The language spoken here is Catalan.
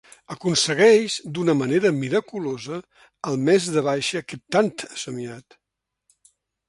Aconsegueix d'una manera miraculosa el mes de baixa que tant ha somiat.